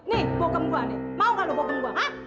nih bogem gue nih mau nggak lo bogem gue hah